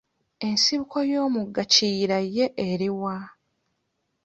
Ensibuko y'omugga Kiyira ye eri wa?